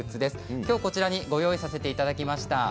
きょう、こちらにご用意させていただきました。